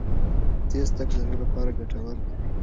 تېز تګ د زړه لپاره ګټور دی.